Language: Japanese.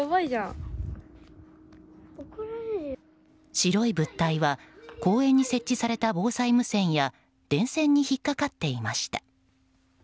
白い物体は公園に設置された防災無線や電線に引っかかっていました。